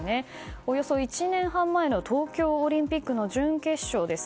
およそ１年半前の東京オリンピックの準決勝です。